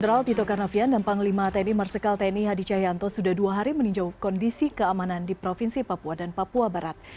jenderal tito karnavian dan panglima tni marsikal tni hadi cahyanto sudah dua hari meninjau kondisi keamanan di provinsi papua dan papua barat